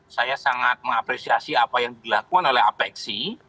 saya sangat mengapresiasi apa yang dilakukan oleh apexi